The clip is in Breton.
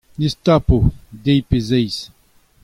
Ni az tapo deiz pe zeiz.